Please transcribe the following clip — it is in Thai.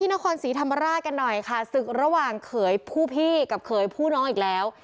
นครศรีธรรมราชกันหน่อยค่ะศึกระหว่างเขยผู้พี่กับเขยผู้น้องอีกแล้ว